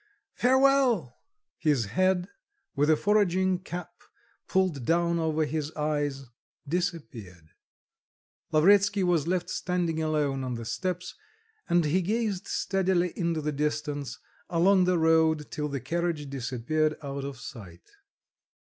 Farewell." His head, with a foraging cap pulled down over his eyes, disappeared. Lavretsky was left standing alone on the steps, and he gazed steadily into the distance along the road till the carriage disappeared out of sight.